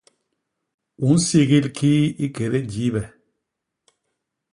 U nsigil ki ikédé jiibe?